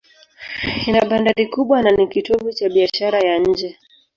Ina bandari kubwa na ni kitovu cha biashara ya nje.